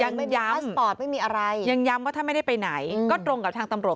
ยังย้ำยังย้ำว่าถ้าไม่ได้ไปไหนก็ตรงกับทางตำรวจ